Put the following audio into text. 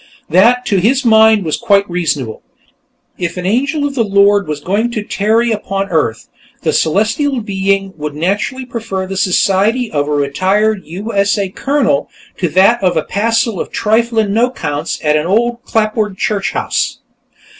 That, to his mind, was quite reasonable. If an Angel of the Lord was going to tarry upon earth, the celestial being would naturally prefer the society of a retired U.S.A. colonel to that of a passel of triflin', no 'counts at an ol' clapboard church house.